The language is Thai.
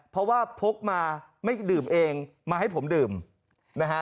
เพราะว่าพกมาไม่ดื่มเองมาให้ผมดื่มนะฮะ